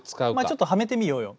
ちょっとはめてみようよ。